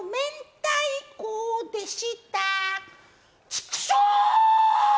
チクショー！！